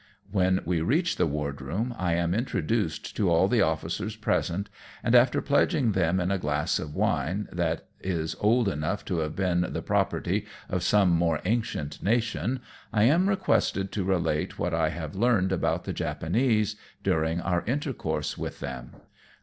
When we reach the wardroom, I am introduced to u 282 AMONG TYPHOONS AND PIRATE CRAFT. all the officers present, and after pledging them in a glass of wiae, that is old enough to have been the property of some more ancient nation, I am requested to relate what I have learned about the Japanese during our intercourse with them.